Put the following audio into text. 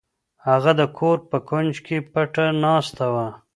هغه د کور په کونج کې پټه ناسته وه.